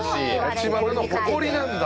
八街の誇りなんだ。